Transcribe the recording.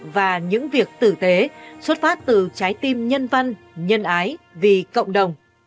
và những việc tử tế xuất phát từ trái tim nhân văn nhân ái vì cộng đồng